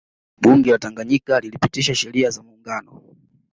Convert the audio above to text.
Bunge la Tanganyika lilipitisha Sheria za Muungano